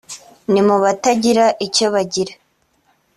ni mu batagira icyo bagira